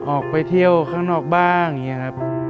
ออกไปเที่ยวข้างนอกบ้าง